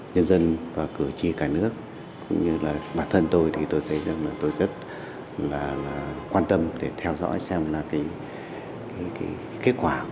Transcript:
nhân dân và cử tri cả nước cũng như là bản thân tôi thì tôi thấy rằng là tôi rất là quan tâm để theo dõi xem là cái kết quả